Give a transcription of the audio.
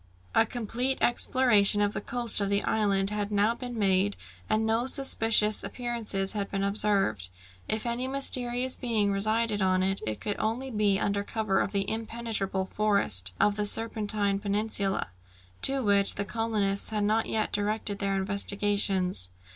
A complete exploration of the coast of the island had now been made, and no suspicious appearances had been observed. If any mysterious being resided on it, it could only be under cover of the impenetrable forest of the Serpentine Peninsula, to which the colonists had not yet directed their investigations.